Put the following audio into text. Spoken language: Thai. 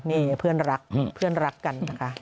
นี่เพื่อนรักเพื่อนรักกันนะคะ